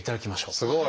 すごい！